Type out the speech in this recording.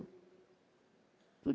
jadi penasihat dulu